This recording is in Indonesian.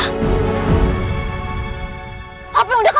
kalo ada pemandangan